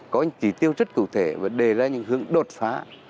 có tỷ tiêu rất cụ thể và đề ra những hướng đột phá